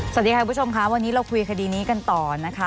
สวัสดีค่ะคุณผู้ชมค่ะวันนี้เราคุยคดีนี้กันต่อนะคะ